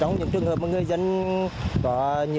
trong những trường hợp mà người dân